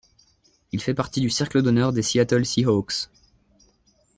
Il fait partie du cercle d'honneur des Seattle Seahawks.